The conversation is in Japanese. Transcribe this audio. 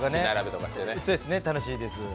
楽しいです。